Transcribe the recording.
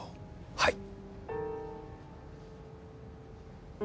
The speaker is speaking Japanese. はい。